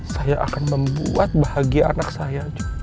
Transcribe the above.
saya akan membuat bahagia anak saya